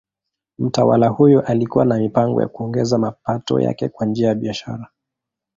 Mtawala huyo alikuwa na mipango ya kuongeza mapato yake kwa njia ya biashara.